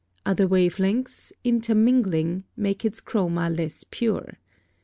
Other wave lengths, INTERMINGLING, make its chroma less pure.